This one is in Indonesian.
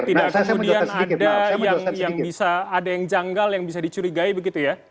tidak kemudian ada yang bisa ada yang janggal yang bisa dicurigai begitu ya